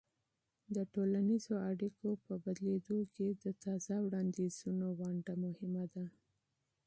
د ټولنیزو اړیکو په بدلیدو کې د تازه نظریو ونډه مهمه ده.